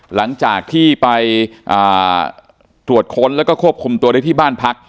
หลังจากที่ไปตรวจค้นแล้วก็ควบคุมตัวได้ที่บ้านพัก